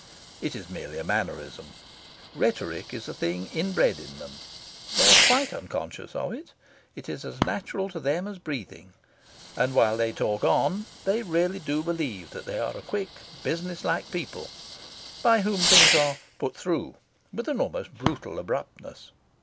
It is merely a mannerism. Rhetoric is a thing inbred in them. They are quite unconscious of it. It is as natural to them as breathing. And, while they talk on, they really do believe that they are a quick, businesslike people, by whom things are "put through" with an almost brutal abruptness.